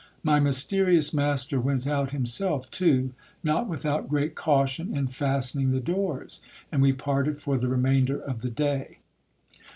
My mysterious master went out himself too, not without great caution in fastening the doors, and we parted for the remainder of the day.